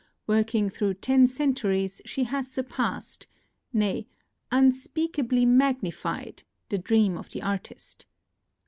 Working through ten centuries, she has surpassed — nay, unspeakably magnified — the dream ' of the artist.